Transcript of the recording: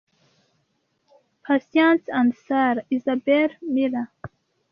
Patience and Sarah (Isabel Miller)